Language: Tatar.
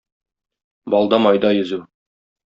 Балда-майда йөзү